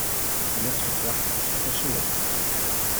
U hebt getracht ons te passeren.